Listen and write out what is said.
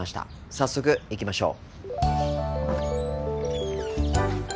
早速行きましょう。